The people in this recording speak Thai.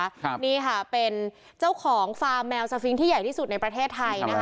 ครับนี่ค่ะเป็นเจ้าของฟาร์มแมวสฟิงค์ที่ใหญ่ที่สุดในประเทศไทยนะคะ